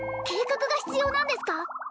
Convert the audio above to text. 計画が必要なんですか？